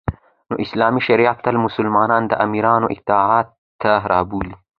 نو اسلامی شریعت تل مسلمانان د امیرانو اطاعت ته رابولی